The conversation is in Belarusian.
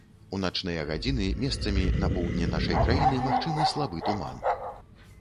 У начныя гадзіны месцамі на поўдні нашай краіны магчымы слабы туман.